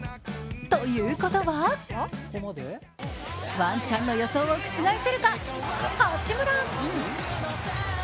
ということはワンちゃんの予想を覆せるか、八村。